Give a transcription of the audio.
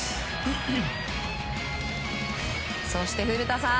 そして古田さん